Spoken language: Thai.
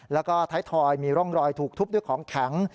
แล้วก็ท้ายทอยมีร่องรอยถูกทุบด้วยของแข็ง